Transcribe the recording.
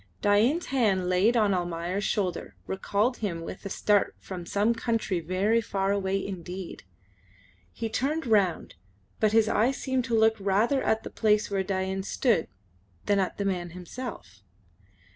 Dain's hand laid on Almayer's shoulder recalled him with a start from some country very far away indeed. He turned round, but his eyes seemed to look rather at the place where Dain stood than at the man himself.